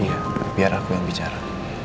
iya biar aku yang bicara